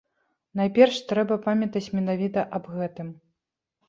Найперш трэба памятаць менавіта аб гэтым.